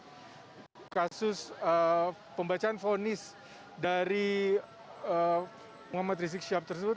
dan kasus pembacaan fonis dari muhammad rizik siap tersebut